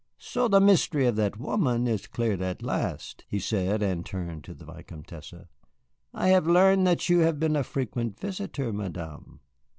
"So the mystery of that woman is cleared at last," he said, and turned to the Vicomtesse. "I have learned that you have been a frequent visitor, Madame."